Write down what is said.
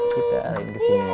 kita lanjut kesini ya